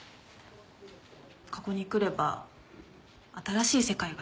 ここに来れば新しい世界が開ける気がして。